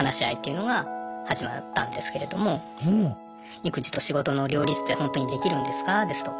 育児と仕事の両立ってほんとにできるんですか？